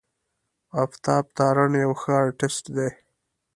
آفتاب تارڼ یو ښه آرټسټ دی.